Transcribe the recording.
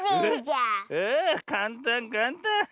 ああかんたんかんたん。